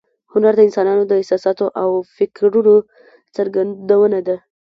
هنر د انسان د احساساتو او فکرونو څرګندونه ده